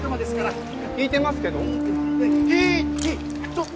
ちょっ！